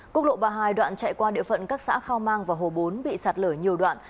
quốc lộ ba mươi hai đoạn chạy qua địa phận các xã khao mang và hồ bốn bị sạt lở nhiều đoạn